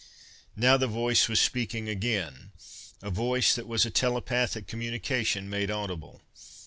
Now the voice was speaking again; a voice that was a telepathic communication made audible.